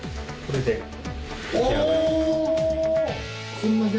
すいません